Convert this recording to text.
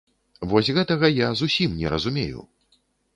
Вось гэтага я зусім не разумею!